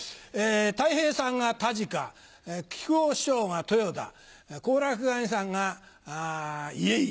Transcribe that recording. たい平さんが田鹿木久扇師匠が豊田好楽兄さんが家入。